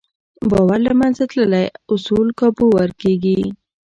باور له منځه تللی، اصول کابو ورکېږي.